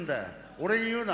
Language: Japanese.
「俺に言うな？」